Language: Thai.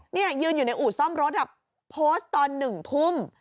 นี่ยืนอยู่ในอู่ซ่อมรถโพสต์ตอน๑ทุ่ม